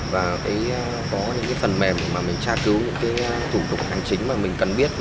và có những phần mềm mà mình trả cứu những thủ tục hành chính mà mình cần biết